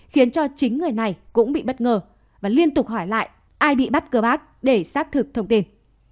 khiến cho chính người này cũng bị bất ngờ và liên tục hỏi lại ai bị bắt cơ bác để xác thực thông tin